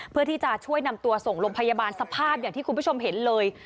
เพื่อที่จะช่วยนำตัวส่งโรงพยาบาลสภาพอย่างที่คุณผู้ชมเห็นเลย